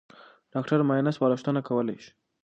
ډاکټر معاینه سپارښتنه کولای شي.